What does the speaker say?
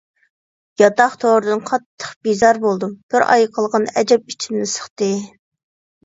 ياتاق تورىدىن قاتتىق بىزار بولدۇم. بىر ئاي قالغاندا ئەجەب ئىچىمنى سىقتى.